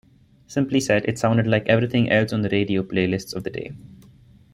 Simply said, it sounded like everything else on the radio playlists of the day.